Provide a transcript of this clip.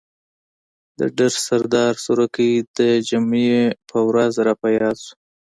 د ډر سردار سروکی د جمعې په ورځ را په ياد شو.